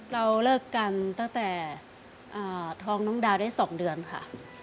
เราเลิกกันตั้งแต่ท้องน้องดาวได้๒เดือนค่ะ